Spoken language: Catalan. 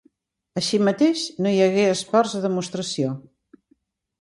Així mateix no hi hagué esports de demostració.